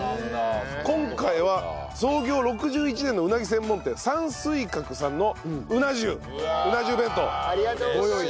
今回は創業６１年のうなぎ専門店山水閣さんのうな重うな重弁当ご用意致しました。